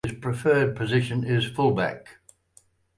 His preferred position is fullback.